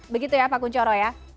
begitu ya pak kunchoro ya